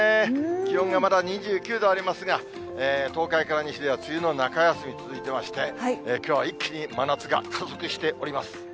気温がまだ２９度ありますが、東海から西では梅雨の中休み、続いていまして、きょうは一気に真夏が加速しております。